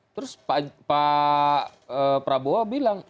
terus pak prabowo bilang